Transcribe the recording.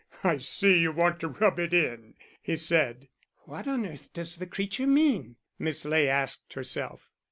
"I see you want to rub it in," he said. "What on earth does the creature mean?" Miss Ley asked herself.